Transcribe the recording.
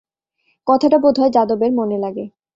কথাটা বোধ হয় যাদবের মনে লাগে।